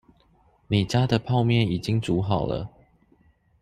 你家的泡麵已經煮好了